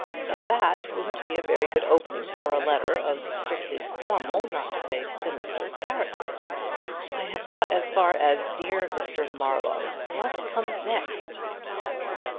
But that wouldn't be a very good opening for a letter of strictly formal, not to say sinister character. I have got as far as 'Dear Mr. Marlowe.' What comes next?"